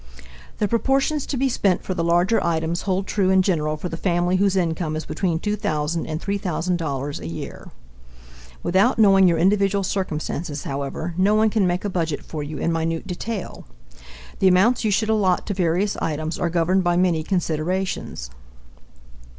The proportions to be spent for the larger items hold true in general for the family whose income is between $2000 and $3000 a year. Without knowing your individual circumstances, however, no one can make a budget for you in minute detail. The amounts you should allot to various items are governed by many considerations.